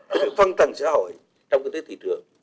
những phân tầng xã hội trong kinh tế thị trường